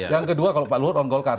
yang kedua kalau pak luhut on golkar